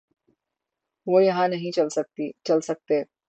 وہ یہاں نہیں چل سکتے۔